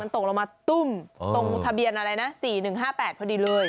ตกลงมาตุ้มตรงทะเบียนอะไรนะ๔๑๕๘พอดีเลย